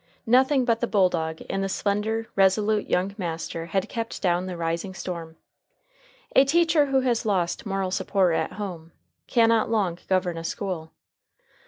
Nothing but the bulldog in the slender, resolute young master had kept down the rising storm. A teacher who has lost moral support at home, can not long govern a school.